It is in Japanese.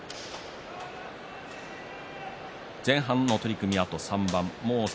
前半の取組は、あと３番です。